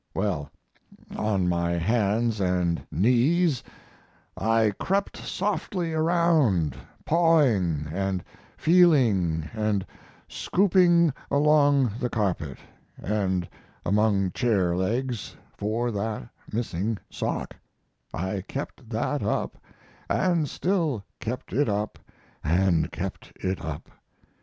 Well, on my hands and knees I crept softly around, pawing and feeling and scooping along the carpet, and among chair legs, for that missing sock, I kept that up, and still kept it up, and kept it up.